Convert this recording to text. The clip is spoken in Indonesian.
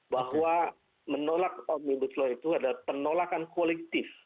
bahwa menolak omnibuslo itu adalah penolakan kolektif